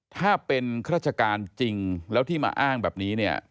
ถ้าเป็นราชการจริงแล้วที่มาอ้างแบบนี้เนี่ย